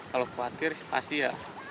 kalau khawatir pasti ya